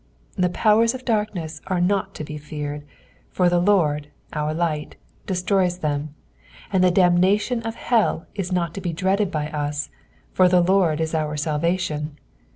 The powers of darkness are not to be feared, » the Lord, our light, destroys them ; and the damnation of hell is not to be dreaded by us, for the X«rd is our salvation.